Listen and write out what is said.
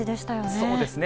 そうですね。